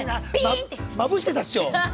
まぶしてたっしょ？